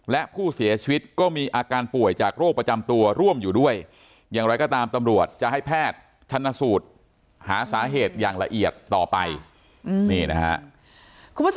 และผู้เสียชีวิตก็มีอาการป่วยจากโรคประจำตัวร่วมอยู่ด้วยอย่างไรก็ตามตำรวจจะให้แพทย์ชนสูตรหาสาเหตุอย่างละเอียดต่อไปนี่นะฮะคุณผู้ชม